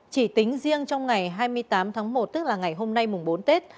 chỉ tính riêng trong ngày hai mươi tám tháng một tức là ngày hôm nay mùng bốn tết